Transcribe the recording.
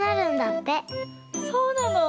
そうなの？